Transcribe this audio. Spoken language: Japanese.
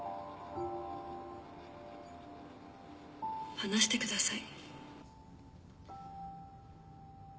話してください。